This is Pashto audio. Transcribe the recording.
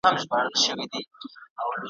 چي ناحقه پردي جنگ ته ورگډېږي `